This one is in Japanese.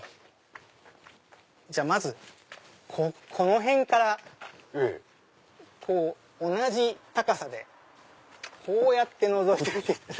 じゃあまずこの辺から同じ高さでこうやってのぞいてみてください。